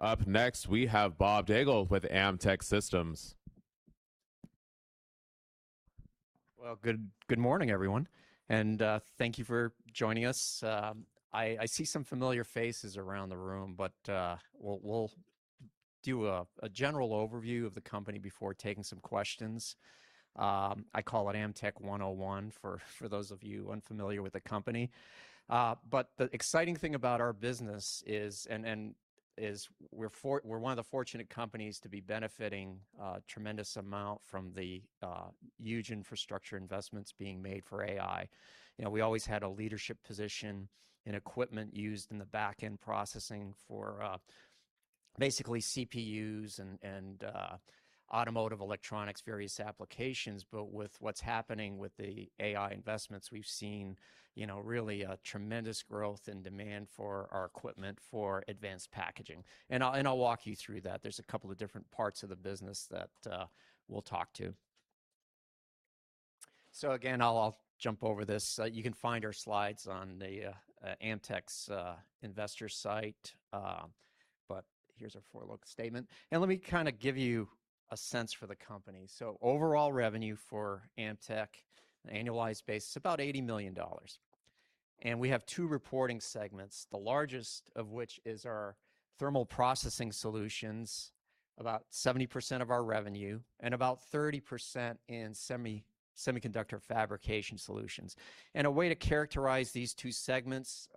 Up next, we have Bob Daigle with Amtech Systems. Well, good morning, everyone, and thank you for joining us. I see some familiar faces around the room, we'll do a general overview of the company before taking some questions. I call it Amtech 101, for those of you unfamiliar with the company. The exciting thing about our business is we're one of the fortunate companies to be benefiting a tremendous amount from the huge infrastructure investments being made for AI. We always had a leadership position in equipment used in the back-end processing for basically CPUs and automotive electronics, various applications. With what's happening with the AI investments, we've seen really a tremendous growth and demand for our equipment for advanced packaging. I'll walk you through that. There's a couple of different parts of the business that we'll talk to. Again, I'll jump over this. You can find our slides on Amtech's investor site. Here's our forward-looking statement. Let me kind of give you a sense for the company. Overall revenue for Amtech, annualized basis, about $80 million. We have two reporting segments, the largest of which is our thermal processing solutions, about 70% of our revenue, and about 30% in semiconductor fabrication solutions. A way to characterize these two segments,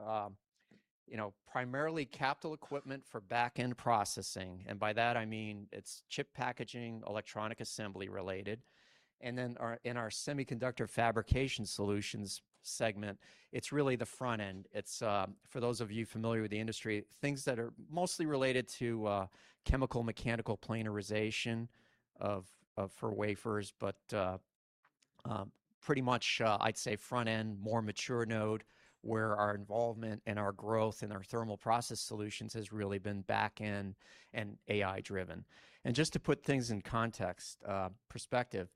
primarily capital equipment for back-end processing, and by that I mean it's chip packaging, electronic assembly related. Then in our semiconductor fabrication solutions segment, it's really the front end. It's, for those of you familiar with the industry, things that are mostly related to chemical mechanical planarization for wafers. Pretty much, I'd say front-end, more mature node, where our involvement and our growth in our thermal process solutions has really been back-end and AI-driven. Just to put things in context, perspective.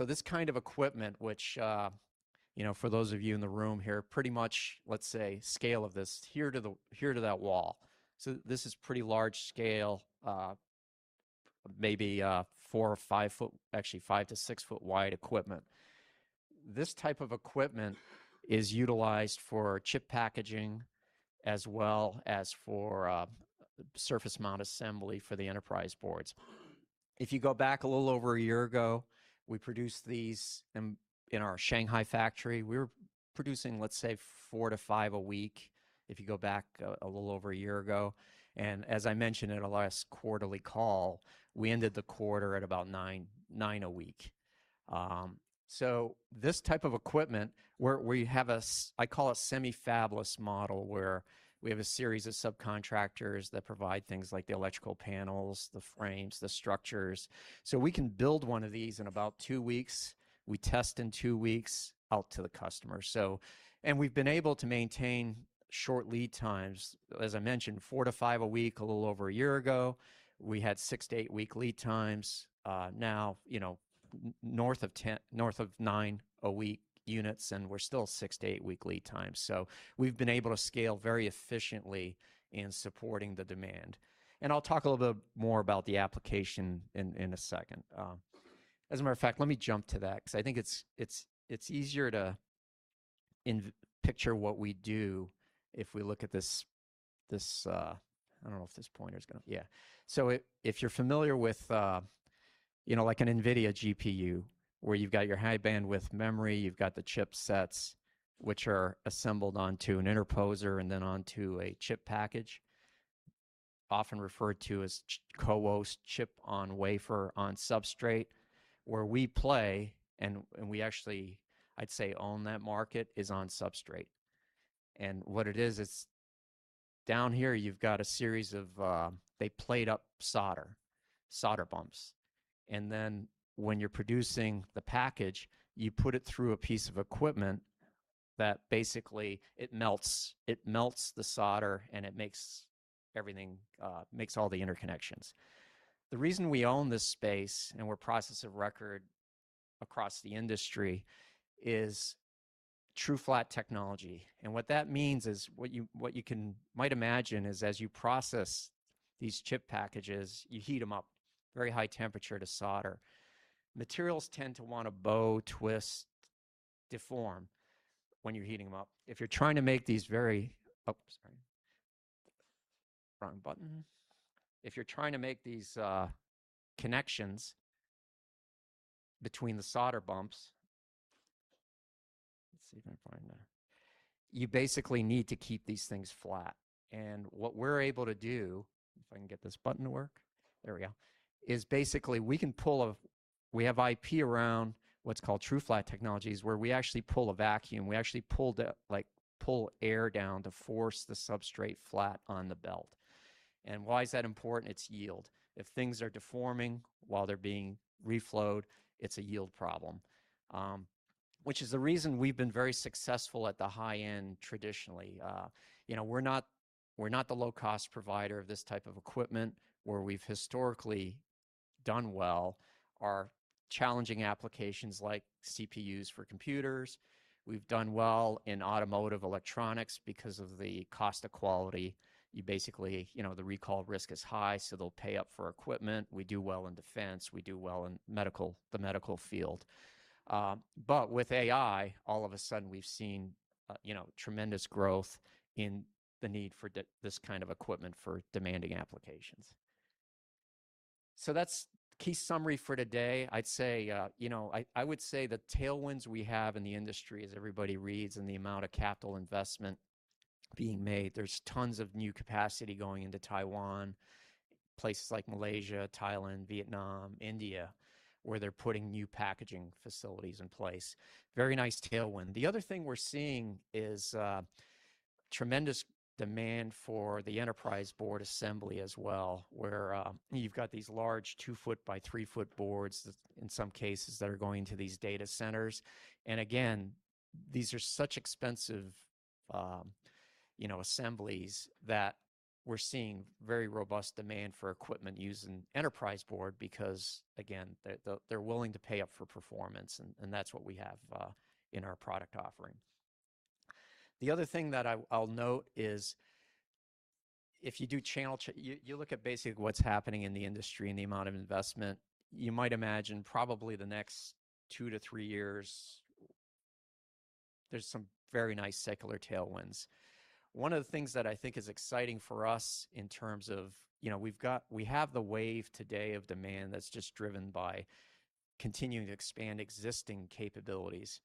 This kind of equipment, which for those of you in the room here, pretty much, let's say, scale of this, here to that wall. This is pretty large scale, maybe 4 ft or 5 ft, actually 5 ft to 6 ft wide equipment. This type of equipment is utilized for chip packaging as well as for surface mount assembly for the enterprise boards. If you go back a little over a year ago, we produced these in our Shanghai factory. We were producing, let's say, four to five a week, if you go back a little over a year ago. As I mentioned in our last quarterly call, we ended the quarter at about nine a week. This type of equipment, where we have a, I call it semi-fabless model, where we have a series of subcontractors that provide things like the electrical panels, the frames, the structures. We can build one of these in about two weeks. We test in two weeks, out to the customer. We've been able to maintain short lead times. As I mentioned, four to five a week a little over a year ago. We had six to eight-week lead times. Now, north of nine a week units, and we're still six to eight-week lead times. We've been able to scale very efficiently in supporting the demand. I'll talk a little bit more about the application in a second. As a matter of fact, let me jump to that, because I think it's easier to picture what we do if we look at this. I don't know if this pointer's going to. Yeah. If you're familiar with an NVIDIA GPU, where you've got your High Bandwidth Memory, you've got the chipsets, which are assembled onto an interposer and then onto a chip package, often referred to as CoWoS, Chip-on-Wafer-on-Substrate. Where we play, and we actually, I'd say, own that market, is on substrate. What it is, it's down here you've got a series of, they plate up solder bumps. Then when you're producing the package, you put it through a piece of equipment that basically it melts the solder and it makes all the interconnections. The reason we own this space, and we're process of record across the industry, is TrueFlat technology. What that means is, what you might imagine is as you process these chip packages, you heat them up very high temperature to solder. Materials tend to want to bow, twist, deform when you're heating them up. If you're trying to make these very. Oh, sorry. Wrong button. If you're trying to make these connections between the solder bumps, let's see if I can find that, you basically need to keep these things flat. What we're able to do, if I can get this button to work, there we go, is basically we have IP around what's called TrueFlat technologies, where we actually pull a vacuum. We actually pull air down to force the substrate flat on the belt. Why is that important? It's yield. If things are deforming while they're being reflowed, it's a yield problem, which is the reason we've been very successful at the high end traditionally. We're not the low-cost provider of this type of equipment, where we've historically done well are challenging applications like CPUs for computers. We've done well in automotive electronics because of the cost of quality. Basically, the recall risk is high, so they'll pay up for equipment. We do well in defense. We do well in the medical field. With AI, all of a sudden, we've seen tremendous growth in the need for this kind of equipment for demanding applications. That's key summary for today. I would say the tailwinds we have in the industry, as everybody reads, and the amount of capital investment being made, there's tons of new capacity going into Taiwan, places like Malaysia, Thailand, Vietnam, India, where they're putting new packaging facilities in place. Very nice tailwind. The other thing we're seeing is tremendous demand for the enterprise board assembly as well, where you've got these large 2 ft by 3 ft boards, in some cases, that are going to these data centers. Again, these are such expensive assemblies that we're seeing very robust demand for equipment used in enterprise board because, again, they're willing to pay up for performance, and that's what we have in our product offering. The other thing that I'll note is if you look at basically what's happening in the industry and the amount of investment, you might imagine probably the next two to three years, there's some very nice secular tailwinds. One of the things that I think is exciting for us in terms of, we have the wave today of demand that's just driven by continuing to expand existing capabilities.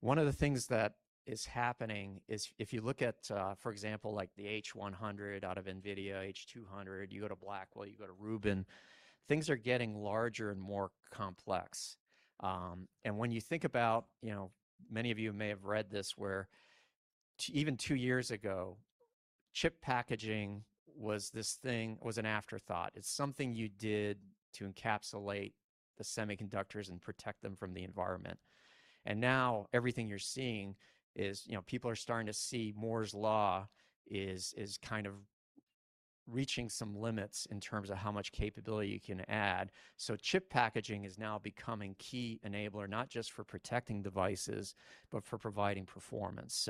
One of the things that is happening is if you look at, for example, like the H100 out of NVIDIA, H200, you go to Blackwell, you go to Rubin, things are getting larger and more complex. When you think about, many of you may have read this, where even two years ago, chip packaging was this thing, was an afterthought. It's something you did to encapsulate the semiconductors and protect them from the environment. Now everything you're seeing is people are starting to see Moore's Law is kind of reaching some limits in terms of how much capability you can add. Chip packaging is now becoming key enabler, not just for protecting devices, but for providing performance.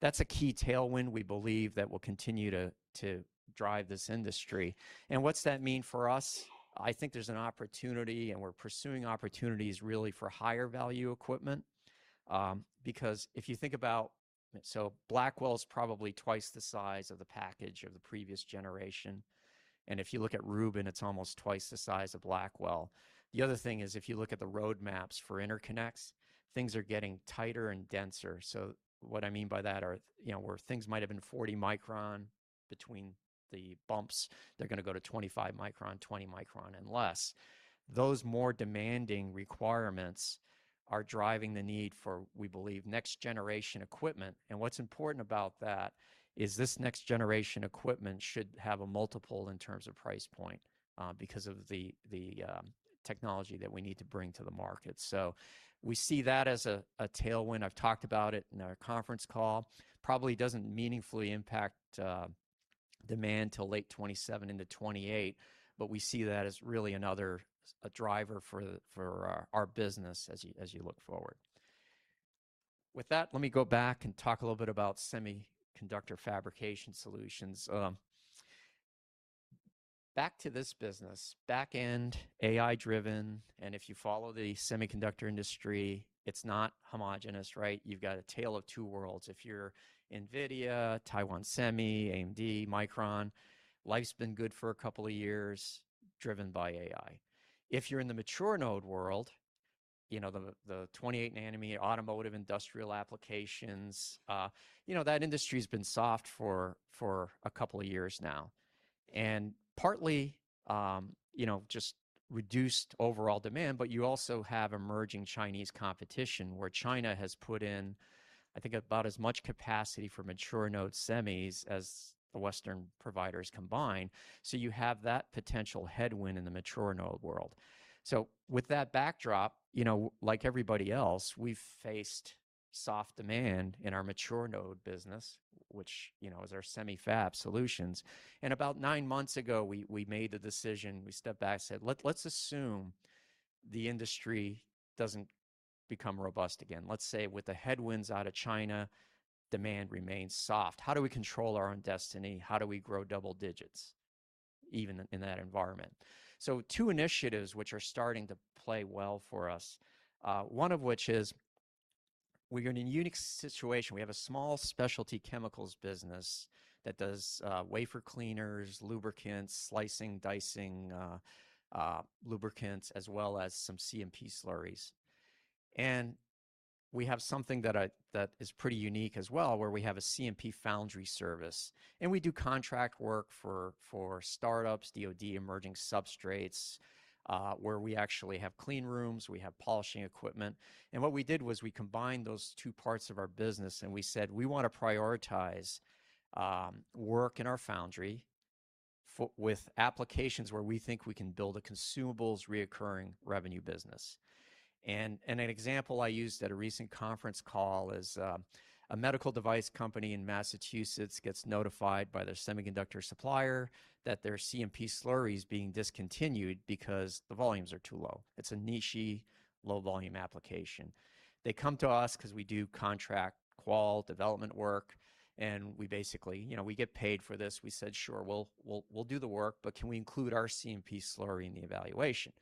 That's a key tailwind we believe that will continue to drive this industry. What's that mean for us? I think there's an opportunity, and we're pursuing opportunities really for higher value equipment. If you think about Blackwell's probably twice the size of the package of the previous generation, and if you look at Rubin, it's almost twice the size of Blackwell. The other thing is if you look at the roadmaps for interconnects, things are getting tighter and denser. What I mean by that are where things might have been 40 micron between the bumps, they're going to go to 25 micron, 20 micron, and less. Those more demanding requirements are driving the need for, we believe, next generation equipment. What's important about that is this next generation equipment should have a multiple in terms of price point because of the technology that we need to bring to the market. We see that as a tailwind. I've talked about it in our conference call. Probably doesn't meaningfully impact demand till late 2027 into 2028, we see that as really another driver for our business as you look forward. With that, let me go back and talk a little bit about semiconductor fabrication solutions. Back to this business, back end, AI driven, if you follow the semiconductor industry, it's not homogenous, right? You've got a tale of two worlds. If you're NVIDIA, Taiwan Semi, AMD, Micron, life's been good for a couple of years, driven by AI. If you're in the mature node world, the 28 nanometer automotive industrial applications, that industry's been soft for a couple of years now. Partly, just reduced overall demand, you also have emerging Chinese competition where China has put in, I think, about as much capacity for mature node semis as the Western providers combined. You have that potential headwind in the mature node world. With that backdrop, like everybody else, we've faced soft demand in our mature node business, which is our semi-fab solutions. About nine months ago, we made the decision, we stepped back and said, "Let's assume the industry doesn't become robust again. Let's say with the headwinds out of China, demand remains soft. How do we control our own destiny? How do we grow double digits even in that environment?" Two initiatives which are starting to play well for us, one of which is we are in a unique situation. We have a small specialty chemicals business that does wafer cleaners, lubricants, slicing, dicing, lubricants, as well as some CMP slurries. We have something that is pretty unique as well, where we have a CMP foundry service, and we do contract work for startups, DoD, emerging substrates, where we actually have clean rooms, we have polishing equipment. What we did was we combined those two parts of our business, and we said we want to prioritize work in our foundry with applications where we think we can build a consumables reoccurring revenue business. An example I used at a recent conference call is, a medical device company in Massachusetts gets notified by their semiconductor supplier that their CMP slurry is being discontinued because the volumes are too low. It's a niche-y low volume application. They come to us because we do contract qual development work, and we basically get paid for this. We said, "Sure, we'll do the work, but can we include our CMP slurry in the evaluation?"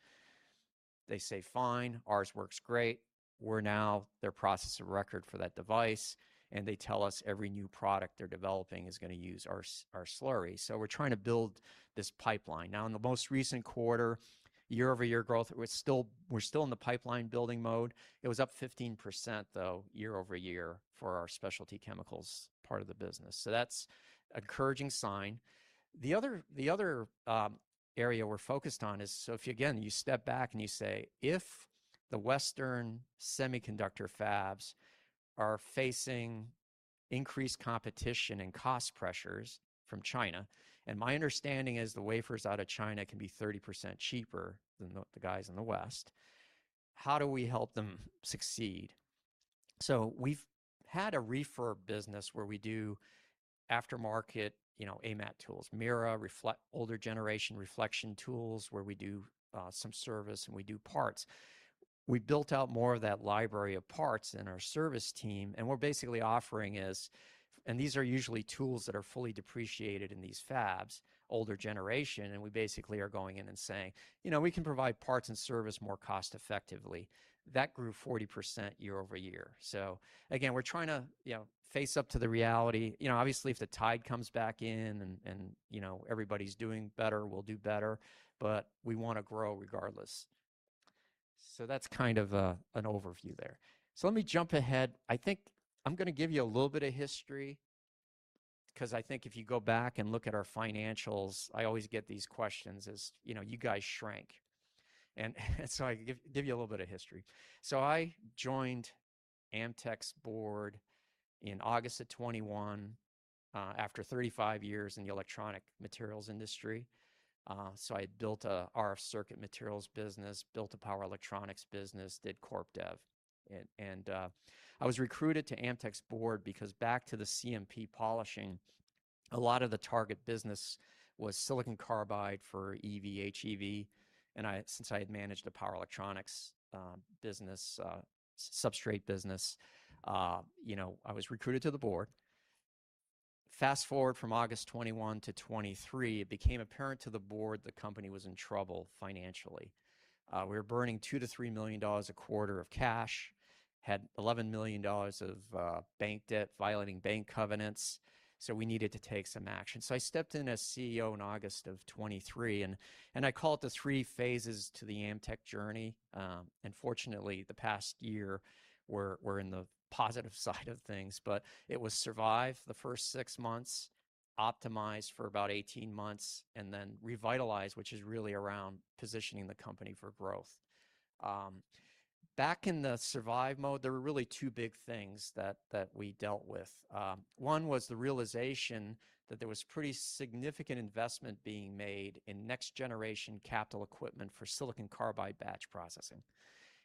They say, "Fine." Ours works great. We're now their process of record for that device, and they tell us every new product they're developing is going to use our slurry. We're trying to build this pipeline. In the most recent quarter, year-over-year growth, we're still in the pipeline building mode. It was up 15%, though, year-over-year for our specialty chemicals part of the business. That's encouraging sign. The other area we're focused on is, if you, again, you step back and you say, if the Western semiconductor fabs are facing increased competition and cost pressures from China, and my understanding is the wafers out of China can be 30% cheaper than the guys in the West. How do we help them succeed? We've had a refurb business where we do aftermarket AMAT tools, Mirra, older generation Reflexion tools, where we do some service, and we do parts. We built out more of that library of parts in our service team, and we're basically offering is, these are usually tools that are fully depreciated in these fabs, older generation, and we basically are going in and saying, "We can provide parts and service more cost effectively." That grew 40% year-over-year. Again, we're trying to face up to the reality. Obviously, if the tide comes back in and everybody's doing better, we'll do better, we want to grow regardless. That's kind of an overview there. Let me jump ahead. I think I'm going to give you a little bit of history because I think if you go back and look at our financials, I always get these questions as, you guys shrank. I give you a little bit of history. I joined Amtech's board in August of 2021, after 35 years in the electronic materials industry. I had built our circuit materials business, built a power electronics business, did corp dev. I was recruited to Amtech's board because back to the CMP polishing, a lot of the target business was silicon carbide for EV, HEV, and since I had managed a power electronics business, substrate business, I was recruited to the board. Fast-forward from August 2021 to 2023, it became apparent to the board the company was in trouble financially. We were burning $2 million-$3 million a quarter of cash, had $11 million of bank debt, violating bank covenants, we needed to take some action. I stepped in as CEO in August of 2023, and I call it the three phases to the Amtech journey. Fortunately, the past year, we're in the positive side of things, but it was survive the first six months, optimize for about 18 months, and then revitalize, which is really around positioning the company for growth. Back in the survive mode, there were really two big things that we dealt with. One was the realization that there was pretty significant investment being made in next generation capital equipment for silicon carbide batch processing.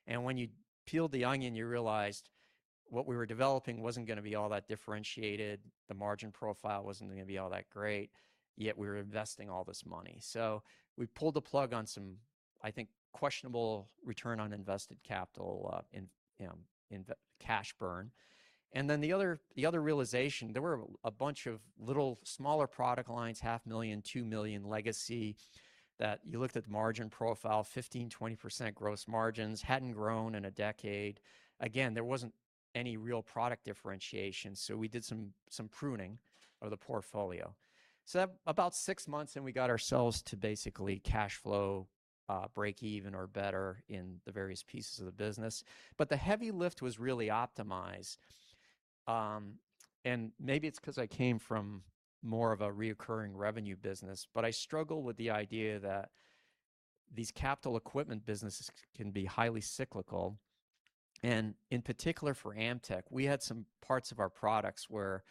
When you peeled the onion, you realized what we were developing wasn't going to be all that differentiated. The margin profile wasn't going to be all that great, yet we were investing all this money. We pulled the plug on some, I think, questionable return on invested capital, in cash burn. The other realization, there were a bunch of little smaller product lines, 500,000, 2 million legacy, that you looked at the margin profile, 15%-20% gross margins. Hadn't grown in a decade. Again, there wasn't any real product differentiation, we did some pruning of the portfolio. About six months, and we got ourselves to basically cash flow, break even or better in the various pieces of the business. The heavy lift was really optimize. Maybe it's because I came from more of a reoccurring revenue business, but I struggle with the idea that these capital equipment businesses can be highly cyclical. In particular for Amtech, we had some parts of our products where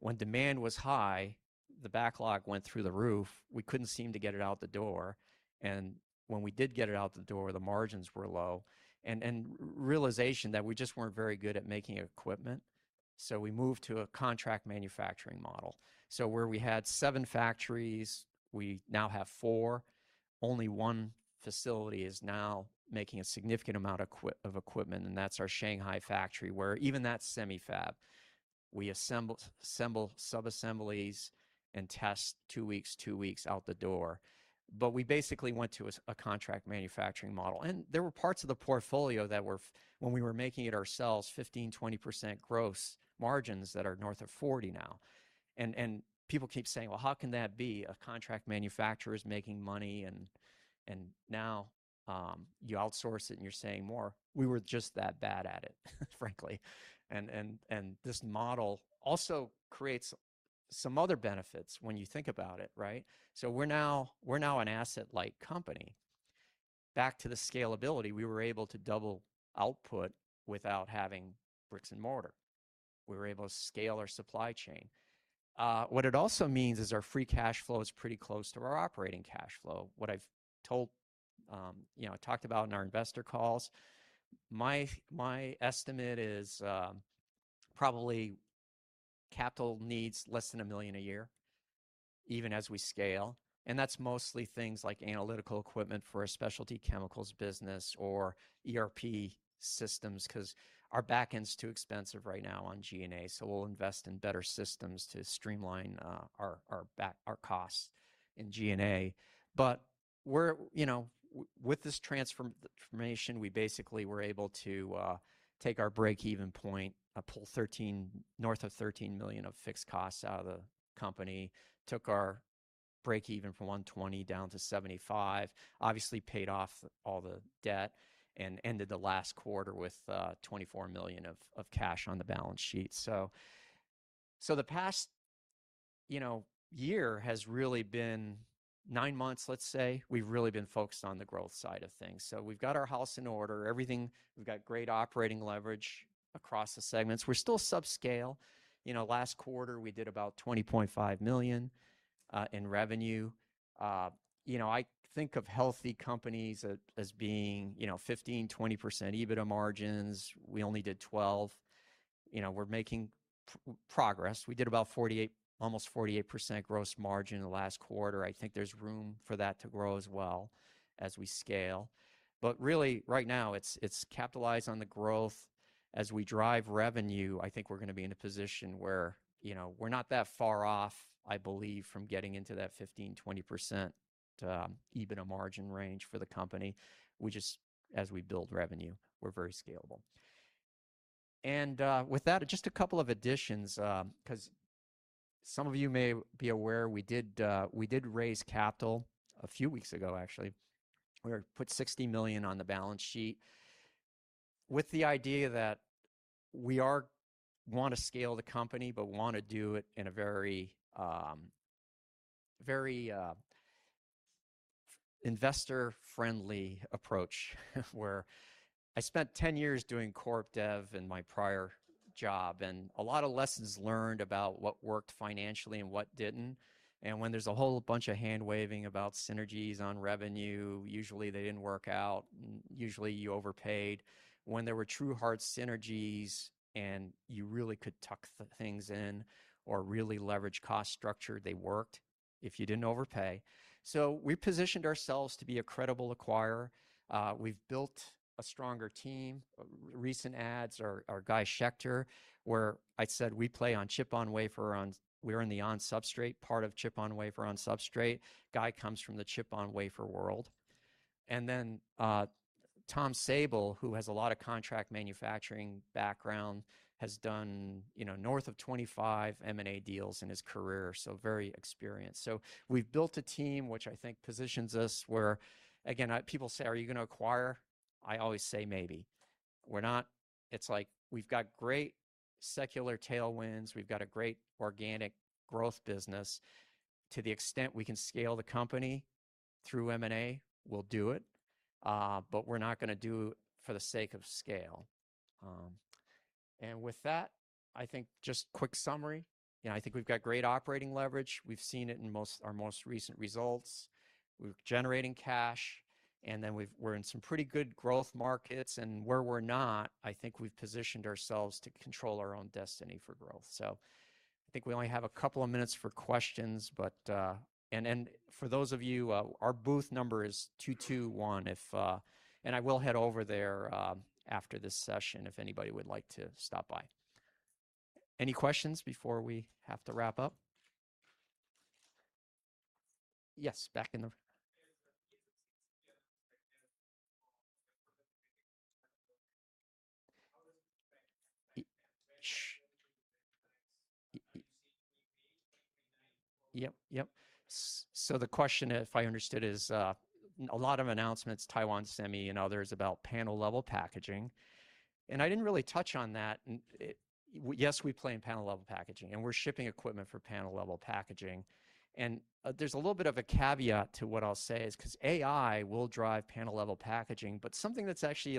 when demand was high, the backlog went through the roof. We couldn't seem to get it out the door. When we did get it out the door, the margins were low, and realization that we just weren't very good at making equipment. We moved to a contract manufacturing model. Where we had seven factories, we now have four. Only one facility is now making a significant amount of equipment, and that's our Shanghai factory, where even that's semi-fab. We assemble sub-assemblies and test two weeks, two weeks out the door. We basically went to a contract manufacturing model. There were parts of the portfolio that when we were making it ourselves, 15%-20% gross margins that are north of 40 now. People keep saying, "Well, how can that be? A contract manufacturer is making money and now, you outsource it and you're saying more. We were just that bad at it, frankly. This model also creates some other benefits when you think about it, right? We're now an asset-light company. Back to the scalability, we were able to double output without having bricks and mortar. We were able to scale our supply chain. What it also means is our free cash flow is pretty close to our operating cash flow. What I've talked about in our investor calls, my estimate is probably capital needs less than $1 million a year, even as we scale, and that's mostly things like analytical equipment for a specialty chemicals business or ERP systems because our backend's too expensive right now on G&A, so we'll invest in better systems to streamline our costs in G&A. With this transformation, we basically were able to take our break-even point, pull north of $13 million of fixed costs out of the company, took our break-even from $120 million down to $75 million, obviously paid off all the debt, and ended the last quarter with $24 million of cash on the balance sheet. The past year has really been nine months, let's say, we've really been focused on the growth side of things. We've got our house in order. We've got great operating leverage across the segments. We're still sub-scale. Last quarter, we did about $20.5 million in revenue. I think of healthy companies as being 15%-20% EBITDA margins. We only did 12%. We're making progress. We did almost 48% gross margin in the last quarter. I think there's room for that to grow as well as we scale. Really, right now, it's capitalize on the growth. As we drive revenue, I think we're going to be in a position where we're not that far off, I believe, from getting into that 15%-20% EBITDA margin range for the company. With that, just a couple of additions, because some of you may be aware, we did raise capital a few weeks ago, actually. We put $60 million on the balance sheet with the idea that we want to scale the company, but want to do it in a very investor-friendly approach, where I spent 10 years doing corp dev in my prior job, and a lot of lessons learned about what worked financially and what didn't. When there's a whole bunch of hand-waving about synergies on revenue, usually they didn't work out. Usually, you overpaid. When there were true hard synergies and you really could tuck things in or really leverage cost structure, they worked if you didn't overpay. We positioned ourselves to be a credible acquirer. We've built a stronger team. Recent adds are Guy Shechter, where I said we play on Chip-on-Wafer-on-Substrate. We're in the on-substrate part of Chip-on-Wafer-on-Substrate. Guy comes from the Chip-on-Wafer world. Then Tom Sabol, who has a lot of contract manufacturing background, has done north of 25 M&A deals in his career, so very experienced. We've built a team which I think positions us where, again, people say, "Are you going to acquire?" I always say maybe. It's like we've got great secular tailwinds. We've got a great organic growth business. To the extent we can scale the company through M&A, we'll do it. We're not going to do for the sake of scale. With that, I think just quick summary. I think we've got great operating leverage. We've seen it in our most recent results. We're generating cash, we're in some pretty good growth markets. Where we're not, I think we've positioned ourselves to control our own destiny for growth. I think we only have a couple of minutes for questions. For those of you, our booth number is 221. I will head over there after this session if anybody would like to stop by. Any questions before we have to wrap up? Yes. Yep. The question, if I understood, is a lot of announcements, Taiwan Semi and others, about panel-level packaging. I didn't really touch on that. Yes, we play in panel-level packaging, we're shipping equipment for panel-level packaging. There's a little bit of a caveat to what I'll say is because AI will drive panel-level packaging, but something that's actually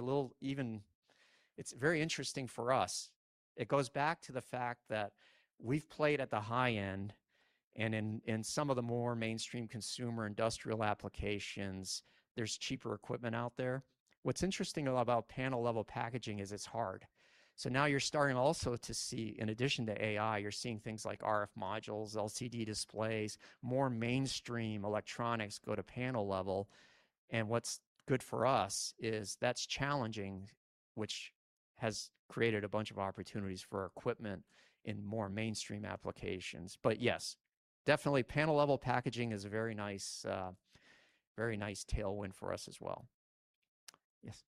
very interesting for us. It goes back to the fact that we've played at the high end and in some of the more mainstream consumer industrial applications, there's cheaper equipment out there. What's interesting about panel-level packaging is it's hard. Now you're starting also to see, in addition to AI, you're seeing things like RF modules, LCD displays, more mainstream electronics go to panel level. What's good for us is that's challenging, which has created a bunch of opportunities for equipment in more mainstream applications. Yes, definitely panel-level packaging is a very nice tailwind for us as well. Yes.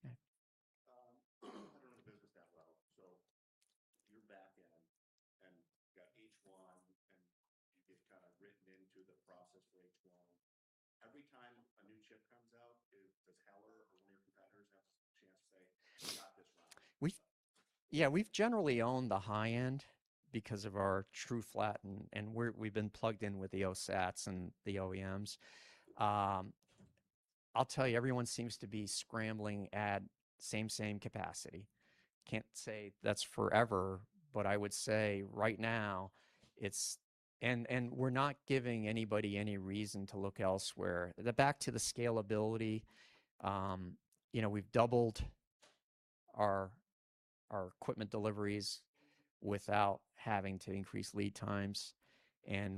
I don't know the business that well, your back end, you got H1, it's kind of written into the process for H1. Every time a new chip comes out, does Heller or one of your competitors have a chance to say, "We got this wrong? Yeah, we've generally owned the high end because of our TrueFlat technology, we've been plugged in with the OSATs and the OEMs. I'll tell you, everyone seems to be scrambling at same capacity. Can't say that's forever, but I would say right now we're not giving anybody any reason to look elsewhere. Back to the scalability, we've doubled our equipment deliveries without having to increase lead times,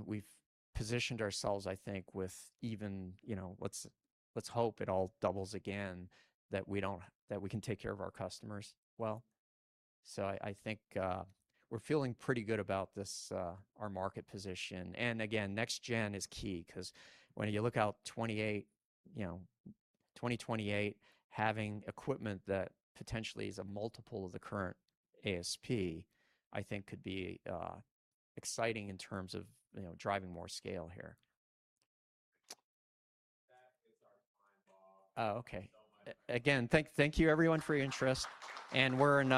we've positioned ourselves, I think, with even, let's hope it all doubles again, that we can take care of our customers well. I think we're feeling pretty good about our market position. Again, next gen is key because when you look out 2028, having equipment that potentially is a multiple of the current ASP, I think could be exciting in terms of driving more scale here. That hits our time, Bob. Oh, okay. Again, thank you everyone for your interest and we're in-